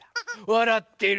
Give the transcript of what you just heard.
わらってる。